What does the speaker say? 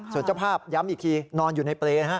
ส่วนเจ้าภาพย้ำอีกทีนอนอยู่ในเปรย์นะฮะ